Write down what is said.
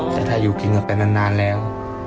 แต่ถ้าอยู่กินกับแฟนนั้นแล้ว